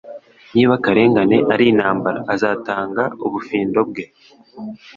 niba akarengane ari intambara azatanga ubufindo bwe